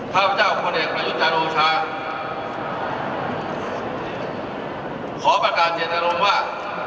ข้าพเจ้าคนเอกประยุจรูชาขอประกาศเย็นอารมณ์ว่า